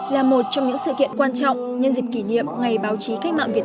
là một trong những sự kiện quan trọng nhân dịp kỷ niệm ngày báo chí cách mạng việt